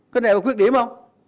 có này là một khuyết điểm không